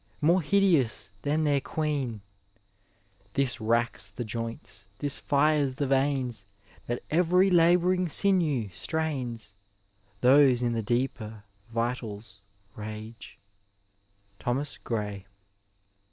More hideous than their queen : This racks the joints, this fires the veins, That every labouring sinew strains, Iliose in tiie deeper vitals rage : Thoicas Gray.